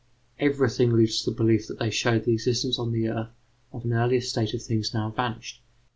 Everything leads to the belief that they show the existence on the earth of an earlier state of things now vanished.